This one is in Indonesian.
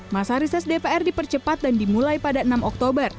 masa riset dpr dipercepat dan dimulai pada enam oktober